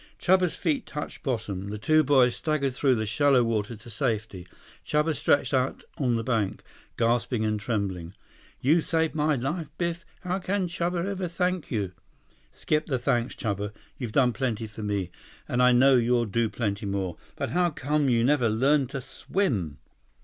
Chuba's feet touched bottom. The two boys staggered through the shallow water to safety. Chuba stretched out on the bank, gasping and trembling. "You save my life, Biff. How can Chuba ever thank you?" "Skip the thanks, Chuba. You've done plenty for me. And I know you'll do plenty more. But how come you never learned to swim?"